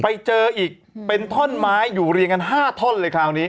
ไปเจออีกเป็นท่อนไม้อยู่เรียงกัน๕ท่อนเลยคราวนี้